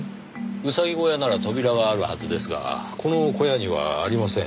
ウサギ小屋なら扉があるはずですがこの小屋にはありません。